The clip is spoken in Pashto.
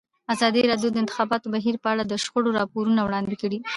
ازادي راډیو د د انتخاباتو بهیر په اړه د شخړو راپورونه وړاندې کړي.